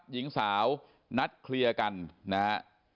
หญิงสาวนัดเคลียร์กันนะฮะ